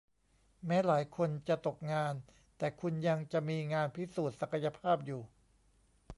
แม้หลายคนจะตกงานแต่คุณยังจะมีงานพิสูจน์ศักยภาพอยู่